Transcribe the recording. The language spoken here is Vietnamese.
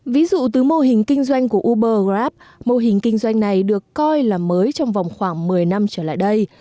ví dụ từ mô hình kinh doanh của uber grab mô hình kinh doanh này được coi là mới trong vòng khoảng một mươi năm trở lại đây